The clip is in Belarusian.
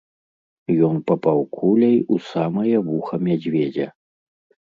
Ён папаў куляй у самае вуха мядзведзя.